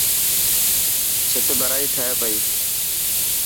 ڇٿ ڀرائي ٿي پئي.